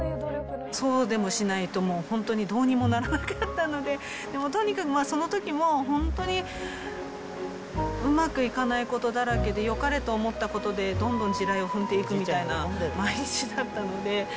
そうでもしないと、もう本当にどうにもならなかったので、でもとにかく、そのときもう、本当にうまくいかないことだらけで、よかれと思ったことでどんどん地雷を踏んでいくみたいな毎日だったので。